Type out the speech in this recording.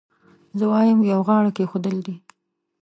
زه وایم یو غاړه کېښودل دي.